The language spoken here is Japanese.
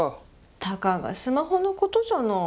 たかがスマホのことじゃない。